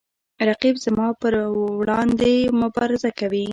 رقیب زما په وړاندې مبارزه کوي